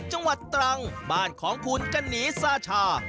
จังหวัดตรังบ้านของคุณกะหนีซาชา